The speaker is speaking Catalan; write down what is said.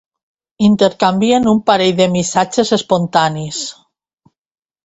Intercanvien un parell de missatges espontanis.